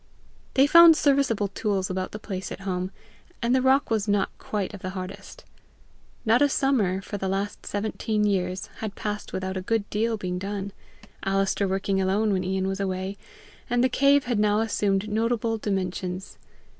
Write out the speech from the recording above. They found serviceable tools about the place at home, and the rock was not quite of the hardest. Not a summer, for the last seventeen years, had passed without a good deal being done, Alister working alone when Ian was away, and the cave had now assumed notable dimensions.